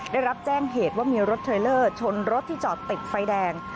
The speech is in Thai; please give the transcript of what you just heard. ได้รับแจ้งเหตุว่ามีรถเทรลเลอร์ชนรถที่จอดติดไฟแดง